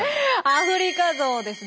アフリカゾウです。